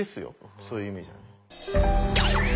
そういう意味じゃね。